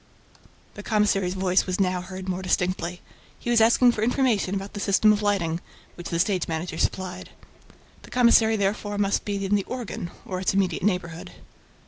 The commissary's voice was now heard more distinctly. He was asking for information about the system of lighting, which the stage manager supplied. The commissary therefore must be in the "organ" or its immediate neighborhood.